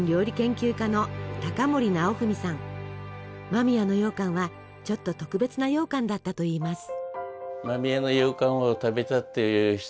間宮のようかんはちょっと特別なようかんだったといいます。